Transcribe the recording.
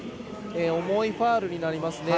重いファウルになりますね。